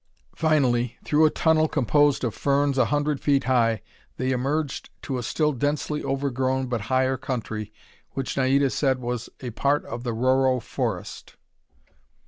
Finally, through a tunnel composed of ferns a hundred feet high, they emerged to a still densely overgrown but higher country which Naida said was a part of the Rorroh forest.